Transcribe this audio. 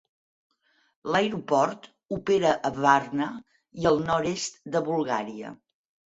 L'aeroport opera a Varna i el nord-est de Bulgària.